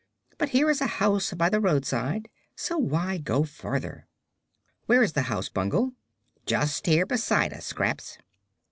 But here is a house by the roadside, so why go farther?" "Where is the house, Bungle?" "Just here beside us, Scraps."